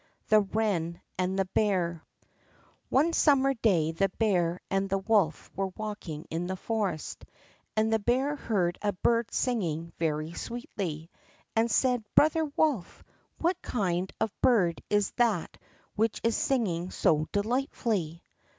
The Wren and the Bear One summer's day the bear and the wolf were walking in the forest, and the bear heard a bird singing very sweetly, and said: "Brother Wolf, what kind of bird is that which is singing so delightfully?"